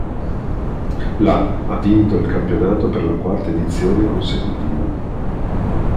La ha vinto il campionato per la quarta edizione consecutiva.